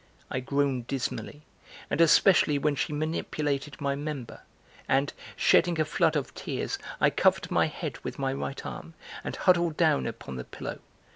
I groaned dismally, and especially when she manipulated my member and, shedding a flood of tears, I covered my head with my right arm and huddled down upon the pillow.